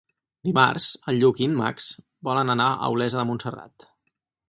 Dimarts en Lluc i en Max volen anar a Olesa de Montserrat.